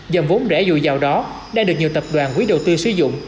dòng vốn rẽ dù giàu đó đã được nhiều tập đoàn quỹ đầu tư sử dụng